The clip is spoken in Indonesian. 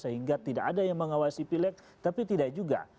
sehingga tidak ada yang mengawasi pilek tapi tidak juga